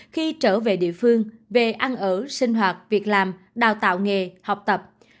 khi trở về địa phương về ăn ở sinh hoạt việc làm đào tạo nghề học tập